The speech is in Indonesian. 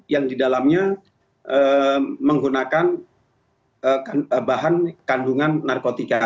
yang didalamnya menggunakan bahan kandungan narkotika